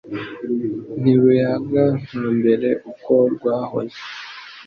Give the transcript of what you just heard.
Ntiruyaga nka mbere uko rwahoze